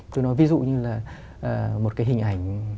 tôi nói ví dụ như là một cái hình ảnh